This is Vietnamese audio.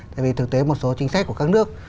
tại vì thực tế một số chính sách của các nước